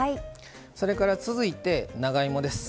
それから続いて長芋です。